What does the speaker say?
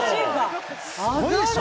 すごいでしょ？